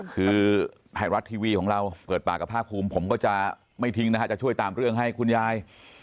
คือไทยรัฐทีวีของเราเปิดปากกับภาคภูมิผมก็จะไม่ทิ้งนะฮะจะช่วยตามเรื่องให้คุณยาย